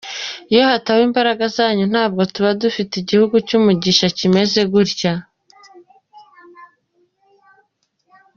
Iyo hataba imbaraga zanyu, ntabwo tuba dufite igihugu cy’umugisha kimeze gutya.”